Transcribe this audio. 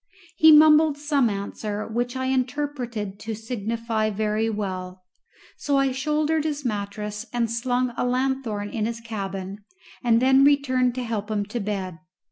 He mumbled some answer which I interpreted to signify "Very well!" so I shouldered his mattress and slung a lanthorn in his cabin, and then returned to help him to bed.